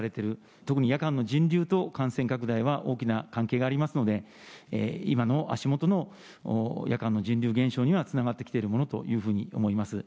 特に夜間の人流と感染拡大は大きな関係がありますので、今の足元の夜間の人流減少にはつながってきているものというふうに思います。